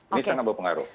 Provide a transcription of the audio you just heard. ini sangat berpengaruh